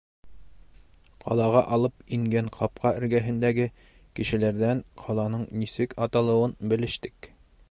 Ҡалаға алып ингән ҡапҡа эргәһендәге кешеләрҙән ҡаланың нисек аталыуын белештек.